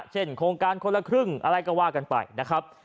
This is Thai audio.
เช่นโครงการคนละครึ่งอะไรก็ว่ากันไปนะครับ